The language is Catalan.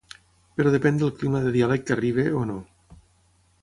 Però depèn del clima de diàleg que arribi, o no.